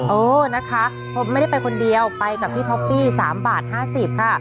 เออนะคะผมไม่ได้ไปคนเดียวไปกับพี่ท็อฟฟี่๓บาท๕๐ค่ะ